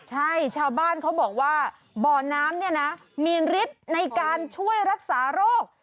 ใช่ชาวบ้านเขาบอกว่าบ่อน้ำเนี่ยนะมีฤทธิ์ในการช่วยรักษาโรค